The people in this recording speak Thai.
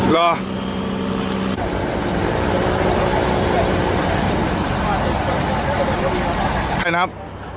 ใช่นะครับ